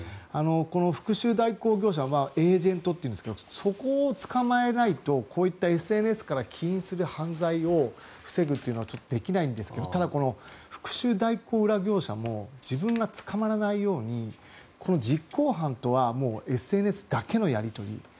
復讐代行業者エージェントというんですがそこをつかまえないとこういったＳＮＳから起因する犯罪を防ぐというのはちょっとできないんですが復讐代行、裏業者も自分が捕まらないように実行犯とはＳＮＳだけのやり取り。